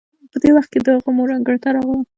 په دې وخت کې د هغه مور انګړ ته راغله.